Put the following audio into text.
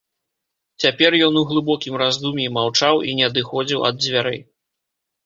Цяпер ён у глыбокім раздум'і маўчаў і не адыходзіў ад дзвярэй.